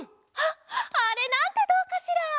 あっあれなんてどうかしら？